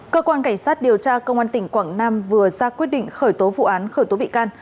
cơ quan cảnh sát điều tra công an tỉnh quảng nam vừa ra quyết định khởi tố vụ án khởi tố bị can